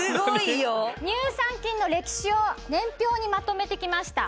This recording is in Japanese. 乳酸菌の歴史を年表にまとめて来ました。